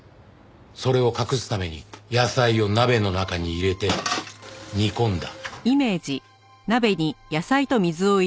それを隠すために野菜を鍋の中に入れて煮込んだ。